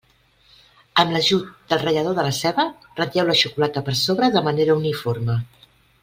Amb l'ajut del ratllador de la ceba, ratlleu la xocolata per sobre de manera uniforme.